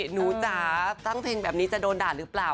จ๋าตั้งเพลงแบบนี้จะโดนด่าหรือเปล่า